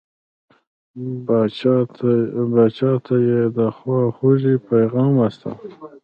پاچا ته یې د خواخوږی پیغام واستاوه.